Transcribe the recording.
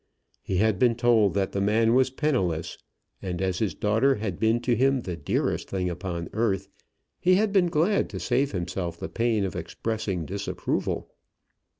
He had been told that the man was penniless, and as his daughter had been to him the dearest thing upon earth, he had been glad to save himself the pain of expressing disapproval.